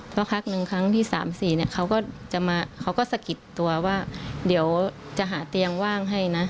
เมื่อกินครั้งที่๓๔เขาก็สกิดตัวว่าเดี๋ยวจะหาเตียงว่างให้นะ